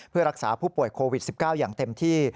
เพื่อรักษาผู้ป่วยโควิด๑๙อย่างเต็มที่